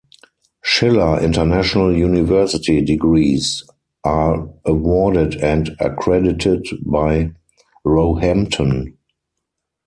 Schiller International University degrees are awarded and accredited by Roehampton.